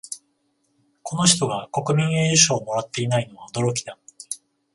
この人が国民栄誉賞をもらっていないのは驚きだ